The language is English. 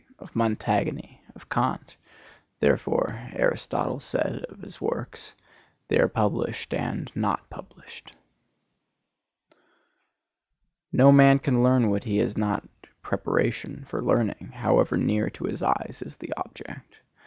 of Montaigne? of Kant? Therefore, Aristotle said of his works, "They are published and not published." No man can learn what he has not preparation for learning, however near to his eyes is the object.